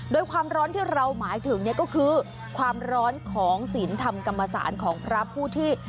โดยความร้อนที่เราหมายถึงก็คือความร้อนของศีลธรรมกรรมศาสตร์ของพระผู้ที่